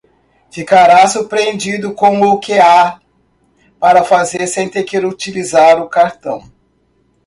Ficará surpreendido com o que há para fazer sem ter que utilizar o cartão.